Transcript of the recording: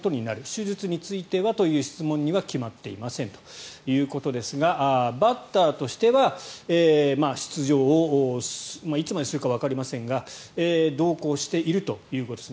手術についてはという質問には決まっていませんということですがバッターとしては出場をいつまでするかわかりませんが同行しているということです。